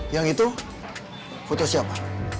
yang itu foto siapa